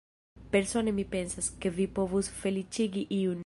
Persone mi pensas, ke vi povus feliĉigi iun.